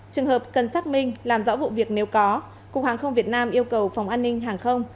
trường hợp cần xác minh làm rõ vụ việc nếu có cục hàng không việt nam yêu cầu phòng an ninh hàng không